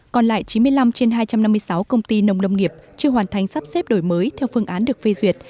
còn lại chín mươi năm trên hai trăm năm mươi sáu công ty nông lâm nghiệp chưa hoàn thành sắp xếp đổi mới theo phương án được phê duyệt